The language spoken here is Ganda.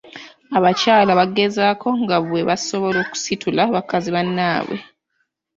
Abakyala bagezaako nga bwe basobola okusitula bakazi bannaabwe.